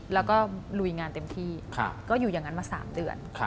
แล้วก็ลุยงานเต็มที่ก็อยู่อย่างนั้นมา๓เดือน